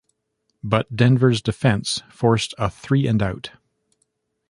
But Denver's defense forced a three-and-out.